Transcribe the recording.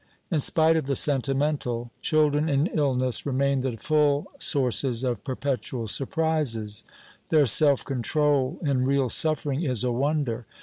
In spite of the sentimental, children in illness remain the full sources of perpetual surprises. Their self control in real suffering is a wonder.